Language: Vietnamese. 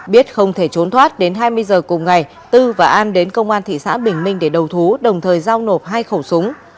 biết không thể trốn thoát đến hai mươi giờ cùng ngày tư và an đến công an thị xã bình minh để đầu thú đồng thời giao nộp hai khẩu súng